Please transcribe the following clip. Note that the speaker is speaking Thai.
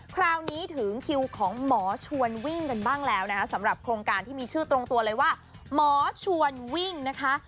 คราวนี้ถึงคิวของหมอชวนวิ่งกันบ้างแล้วนะคะสำหรับโครงการที่มีชื่อตรงตัวเลยว่าหมอชวนวิ่งนะคะ